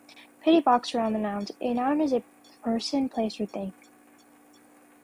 Put a box around the nouns. A noun is a person, place, or thing.